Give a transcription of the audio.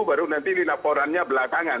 baru nanti laporannya belakangan